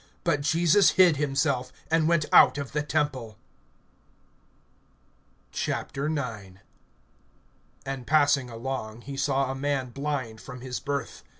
But Jesus hid himself, and went out of the temple. IX. AND passing along, he saw a man blind from his birth.